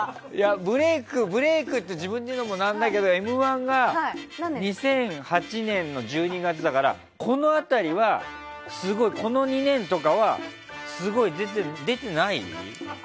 ブレークって自分で言うのもなんだけど「Ｍ‐１」が２００８年の１２月だからこの２年とかはすごい出てない？